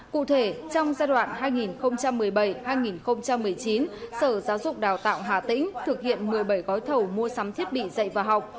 cụ thể trong giai đoạn hai nghìn một mươi bảy hai nghìn một mươi chín sở giáo dục đào tạo hà tĩnh thực hiện một mươi bảy gói thầu mua sắm thiết bị dạy và học